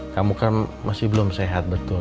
kamu kan masih belum sehat betul